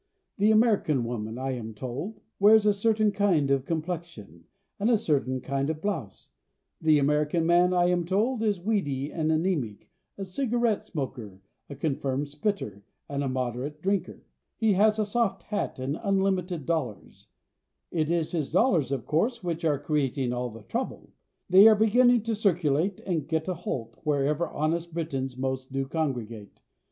The American woman, I am told, Wears a certain kind of complexion And a certain kind of blouse; The American man, I am told, Is weedy and anæmic, A cigarette smoker, A confirmed spitter, And a moderate drinker; He has a soft hat and unlimited dollars: It is his dollars, of course, Which are creating all the trouble. They are beginning to circulate And "geta holt" Wherever honest Britons most do congregate.